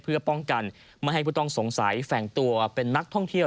เพื่อป้องกันไม่ให้ผู้ต้องสงสัยแฝงตัวเป็นนักท่องเที่ยว